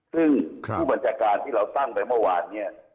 ซึ่งผู้บัญชาการที่เราตั้งไปเมื่อวานเนี่ย